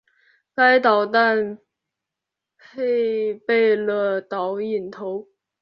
该导弹配备了导引头。